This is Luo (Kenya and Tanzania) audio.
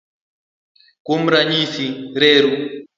Kuom ranyisi, reru.